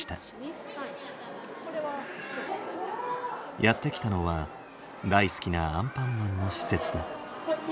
やって来たのは大好きなアンパンマンの施設だ。